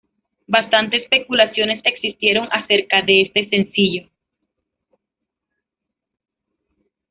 Bastante especulaciones existieron acerca de este sencillo.